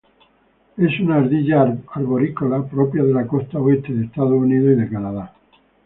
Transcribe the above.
Es una ardilla arborícola propia de la costa oeste de Estados Unidos y Canadá.